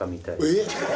えっ！？